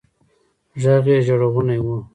ږغ يې ژړغونى و.